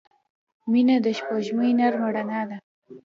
• مینه د سپوږمۍ نرمه رڼا ده.